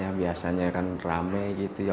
ya biasanya kan rame gitu ya